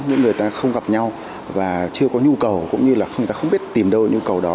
những người ta không gặp nhau và chưa có nhu cầu cũng như là người ta không biết tìm đâu nhu cầu đó